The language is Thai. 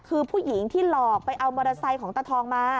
คือผู้หญิงที่หลอกไปเอามอเตอร์ไซค์ของตาทองมา